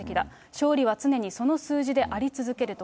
勝利は常にその数字であり続けると。